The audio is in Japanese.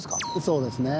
そうですね。